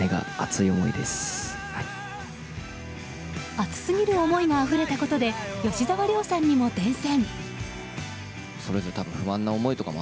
熱すぎる思いがあふれたことで吉沢亮さんにも伝染。